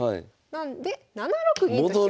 なんで７六銀と行きます。